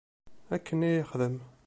Akken i yexdem.